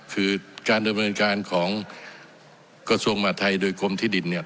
คือการดำเนินการของกระทรวงมาไทยโดยกลมที่ดิน